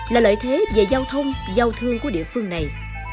là lợi thế về giao thông giao thương của địa phương này